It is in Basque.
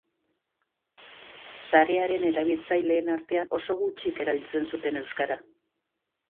Sarearen erabiltzaileen artean, oso gutxik erabiltzen zuten euskara.